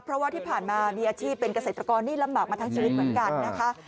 เพราะว่าที่ผ่านมามีอาชีพเป็นเกษตรกรนี่ลำบากมาทั้งชีวิตเหมือนกันนะคะ